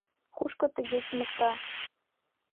Кушко тыге чымыкта?